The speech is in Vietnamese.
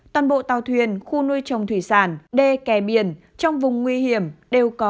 toàn bộ tàu thuyền khu nuôi trồng thủy sản đê kè biển trong vùng nguy hiểm đều có